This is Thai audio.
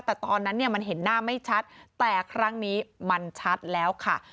แต่ตอนนั้นเนี่ยมันเห็นหน้าไม่ชัดแต่ครั้งนี้มันชัดแล้วค่ะ